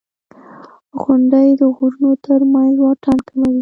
• غونډۍ د غرونو تر منځ واټن کموي.